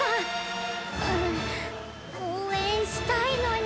ううおうえんしたいのに！